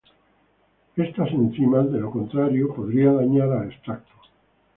Estas enzimas de lo contrario podría dañar el extracto.